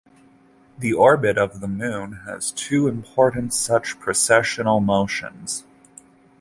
The orbit of the Moon has two important such precessional motions.